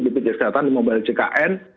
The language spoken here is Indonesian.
bpjs kesehatan di mobile ckn